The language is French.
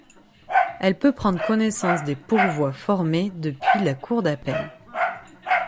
Elle peut prendre connaissance des pourvois formés depuis la Cour d'appel.